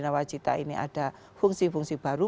nawacita ini ada fungsi fungsi baru